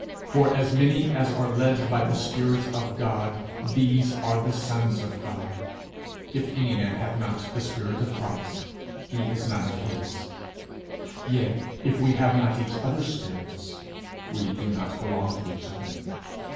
'For as many as are led by the spirit of God, these are sons of God;' 'If any man hath not the spirit of Christ, he is none of his;' yea, if we have not each other's spirits, we do not belong to each other.